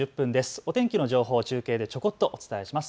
お天気の情報を中継でちょこっとお伝えします。